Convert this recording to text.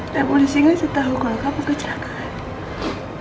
dan polisi gak setahu kalau kamu kejahatan